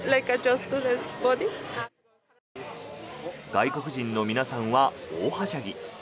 外国人の皆さんは大はしゃぎ。